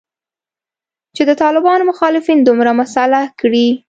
چې د طالبانو مخالفین دومره مسلح کړي